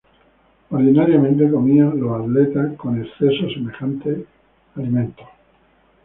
Ordinariamente comían los atletas con exceso semejantes alimentos.